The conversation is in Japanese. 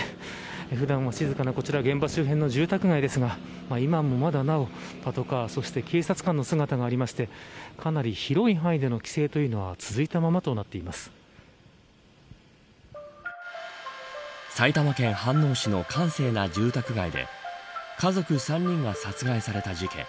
普段は静かなこちら現場周辺の住宅街ですが今も、まだなおパトカーそして警察官の姿がありましてかなり広い範囲での規制というのが続いたままと埼玉県飯能市の閑静な住宅街で家族３人が殺害された事件。